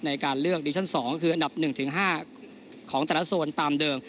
ในการเลือกดิชั่น๒คืออันดับ๑๕ของแต่ละโซนตามเดิม